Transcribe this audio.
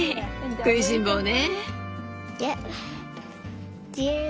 食いしん坊ね。